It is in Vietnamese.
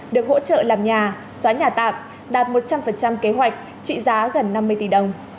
được hỗ trợ làm nhà xóa nhà tạm đạt một trăm linh kế hoạch trị giá gần năm mươi tỷ đồng